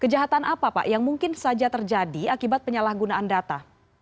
kejahatan apa pak yang mungkin saja terjadi akibat penyalahgunaan data